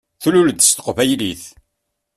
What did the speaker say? Tluleḍ-d s teqbaylit.